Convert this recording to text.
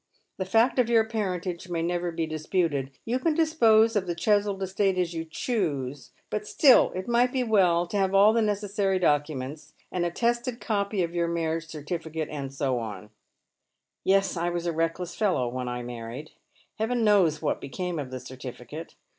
The fact of your parentage may never be disputed. You can dispose of the Cheswold estate as you choose, but still it miglit be well to have all necessary documents — an attested copy of your marriage certificate, and so on." " Yes, I was a reckless fellow when I married. Heaven knows what became of the certificate.